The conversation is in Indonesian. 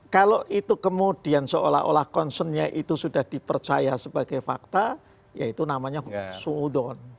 kalau itu kemudian seolah olah concernnya itu sudah dipercaya sebagai fakta ya itu namanya suudon